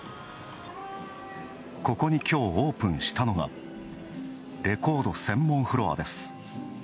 ここにきょうオープンしたのが、レコード専門フロアです。